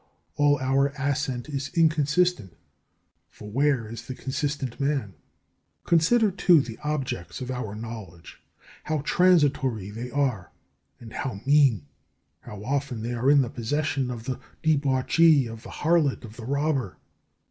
All our assent is inconsistent, for where is the consistent man? Consider, too, the objects of our knowledge: how transitory are they, and how mean! How often they are in the possession of the debauchee, of the harlot, of the robber!